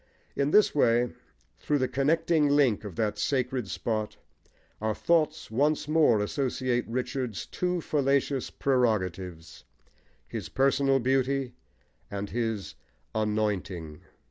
In this way, through the connecting link of that sacred spot, our thoughts once more associate Richard's two fallacious prerogatives, his personal beauty and his "anointing."